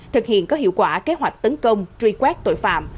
thực hiện có hiệu quả kế hoạch tấn công truy quét tội phạm